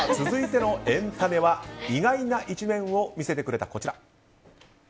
続いてのエンたねは意外な一面を見せてくれたこちら。